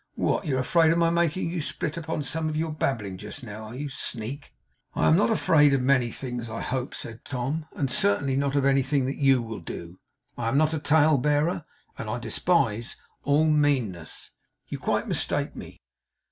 What! You're afraid of my making you split upon some of your babbling just now, are you, Sneak?' 'I am not afraid of many things, I hope,' said Tom; 'and certainly not of anything that you will do. I am not a tale bearer, and I despise all meanness. You quite mistake me.